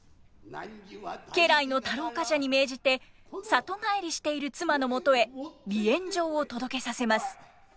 家来の太郎冠者に命じて里帰りしている妻の元へ離縁状を届けさせます。